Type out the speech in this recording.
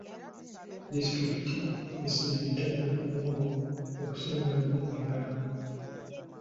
Disitulikiti essira eritadde ku muwogo okusinga ebirime ebirala.